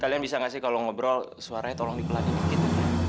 kalian bisa gak sih kalau ngobrol suaranya tolong digelanin gitu